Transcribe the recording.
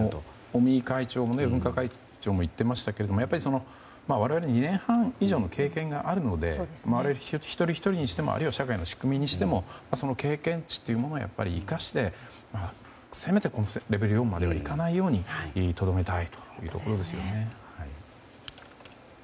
尾身会長も言っていましたけど我々２年半以上の経験があるので一人ひとりにしてもあるいは社会の仕組みにしても経験値というものを生かしてせめてレベル４まではいかないようにとどめたいというところですよね。